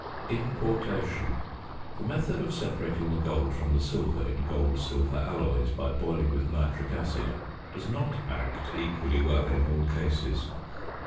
~Inquartation.~ The method of separating the gold from the silver in gold silver alloys by boiling with nitric acid does not act equally well in all cases.